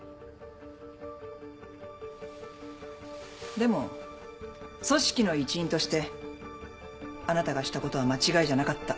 でも組織の一員としてあなたがしたことは間違いじゃなかった。